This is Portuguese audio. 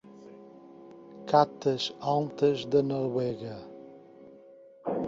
Catas Altas da Noruega